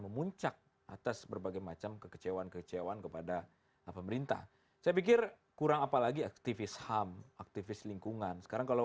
imb amdal mau dihilangkan